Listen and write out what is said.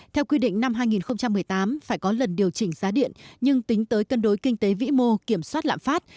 theo quy định năm hai nghìn một mươi tám phải có lần điều chỉnh giá điện nhưng tính tới cân đối kinh tế vĩ mô kiểm soát lạm phát